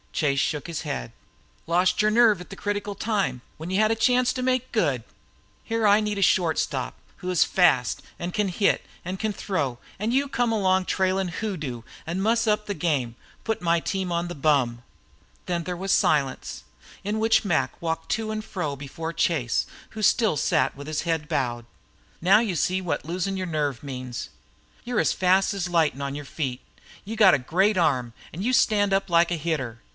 Chase shook his head. "Lost your nerve at the critical time, when you had a chance to make good. Here I need a short stop who is fast, an can hit an' throw; an' you come along trailin' a hoodoo an' muss up the game. Put my team on the bum!" Then there was a silence, in which Mac walked to and fro before Chase, who still sat with head bowed. "Now you see what losin' your nerve means. You're fast as lightnin' on your feet, you've got a great arm, an' you stand up like a hitter.